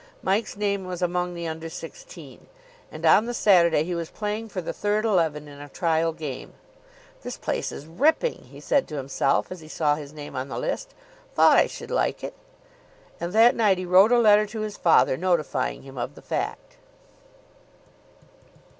Mike's name was among the Under Sixteen. And on the Saturday he was playing for the third eleven in a trial game. "This place is ripping," he said to himself, as he saw his name on the list. "Thought I should like it." And that night he wrote a letter to his father, notifying him of the fact.